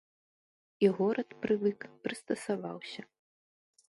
І горад прывык, прыстасаваўся.